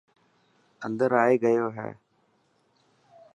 اندر آئي گيو هي.